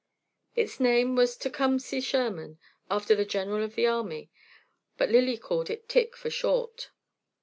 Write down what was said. Its name was Tecumseh Sherman, after the general of the army, but Lily called it Tic for short.